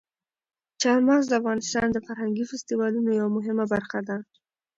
چار مغز د افغانستان د فرهنګي فستیوالونو یوه مهمه برخه ده.